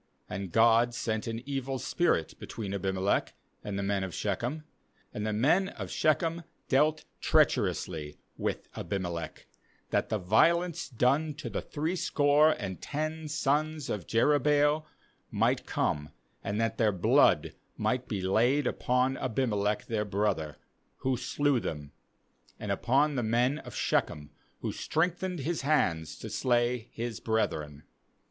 ^And God sent an evil spirit between Abimelech and the men of Shechem; and the men of Sbechem dealt treacherously with Abimelech; ^hat the violence done to the threescore and ten sons of Jerubbaal might come, and that their blood might be laid upon Abimelech their brother, who slew them, and upon the men of Shechem, who strengthened his hands to slay his brethren.